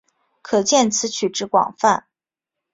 可见此曲之广泛。